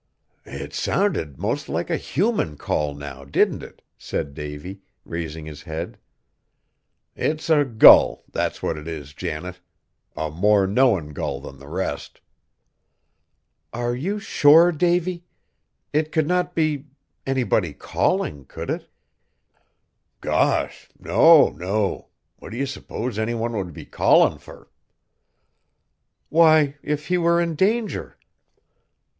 "It sounded 'most like a human call, now didn't it?" said Davy, raising his head; "it's a gull, that's what it is, Janet. A more knowin' gull than the rest!" "Are you sure, Davy? It could not be anybody calling, could it?" "Gosh! no, no. What do ye suppose any one would be callin' fur?" "Why, if he were in danger."